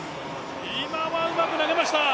今はうまく投げました。